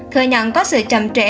thừa nhận có sự chậm trễ